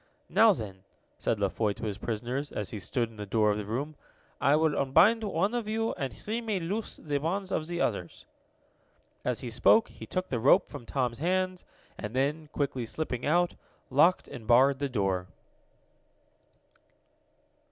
"Now then," said La Foy to his prisoners, as he stood in the door of the room, "I will unbind one of you, and he may loose the bonds of the others." As he spoke, he took the rope from Tom's hands, and then, quickly slipping out, locked and barred the door.